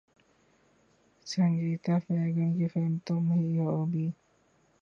سنگیتا بیگم کی فلم ’تم ہی ہو‘ بھی